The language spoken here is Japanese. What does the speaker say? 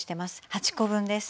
８コ分です。